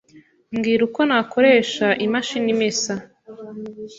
Mbwira uko nakoresha imashini imesa.